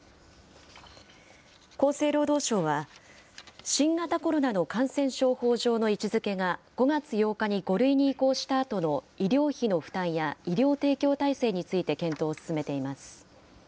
厚生労働省は、新型コロナの感染症法上の位置づけが、５月８日に５類に移行したあとの医療費の負担や医療提供体制について検討を進めています。